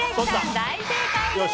大正解です。